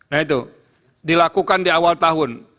nah itu dilakukan di awal tahun